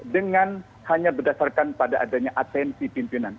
dengan hanya berdasarkan pada adanya atensi pimpinan